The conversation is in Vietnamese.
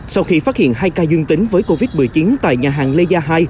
sau khi phát hiện hai ca dương tính với covid một mươi chín tại nhà hàng lê gia hai